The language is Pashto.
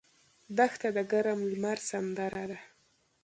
دښته د ګرم لمر سندره ده.